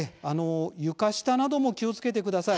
床下なども気をつけてください。